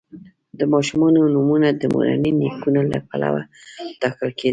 د ماشومانو نومونه د مورني نیکونو له پلوه ټاکل کیدل.